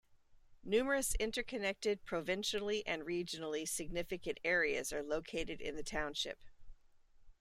Numerous interconnected provincially and regionally significant areas are located in the township.